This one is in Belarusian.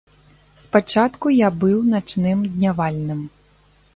Спачатку я быў начным днявальным.